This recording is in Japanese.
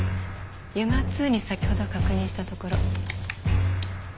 ＵＭＡ−Ⅱに先ほど確認したところ。